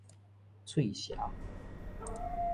喙潲